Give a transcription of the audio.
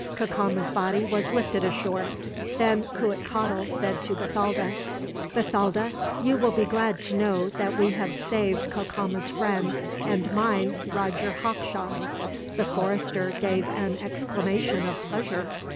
Cacama's body was lifted ashore, then Cuitcatl said to Bathalda: "Bathalda, you will be glad to know that we have saved Cacama's friend, and mine, Roger Hawkshaw." The forester gave an exclamation of pleasure.